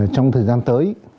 trong thời gian tới